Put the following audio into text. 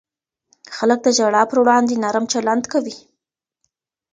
خلک د ژړا پر وړاندې نرم چلند کوي.